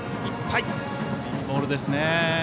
いいボールですね。